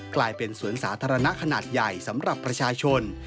กลายเป็นสวนสาธารณะขนาดใหญ่สำหรับประชาชน